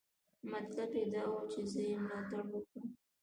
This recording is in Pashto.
مطلب یې دا و چې زه یې ملاتړ وکړم.